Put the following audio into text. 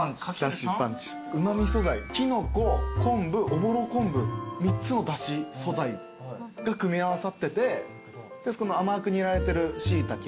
うま味素材キノコ昆布おぼろ昆布３つの出汁素材が組み合わさってて甘く煮られてるシイタケ